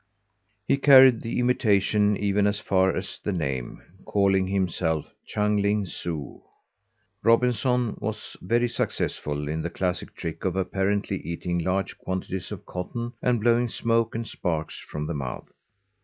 He carried the imitation even as far as the name, calling himself Chung Ling Soo. Robinson was very successful in the classic trick of apparently eating large quantities of cotton and blowing smoke and sparks from the mouth.